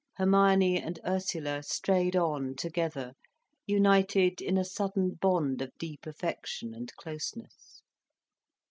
Hermione and Ursula strayed on together, united in a sudden bond of deep affection and closeness.